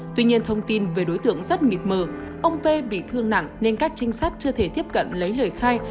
tuy nhiên thông tin về đối tượng rất mịt mờ ông p bị thương nặng nên các trinh sát chưa thể tiếp cận lấy lời khai